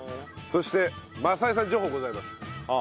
そして政江さん情報ございます。